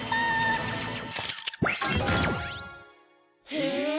へえ。